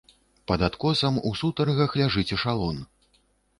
Пад адкосам у сутаргах ляжыць эшалон!